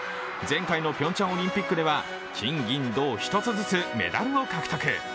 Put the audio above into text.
前回のピョンチャンオリンピックでは金・銀・銅１つずつメダルを獲得